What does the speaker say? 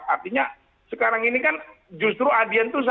artinya sekarang ini kan justru adian tuh sakit